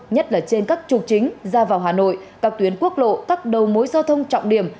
nhất là trên các trục chính ra vào hà nội các tuyến quốc lộ các đầu mối giao thông trọng điểm